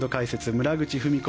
村口史子